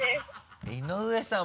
井上さん！